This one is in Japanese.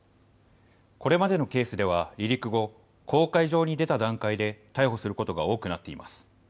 これまでのケースでは離陸後、公海上に出た段階で逮捕することが多くなっています。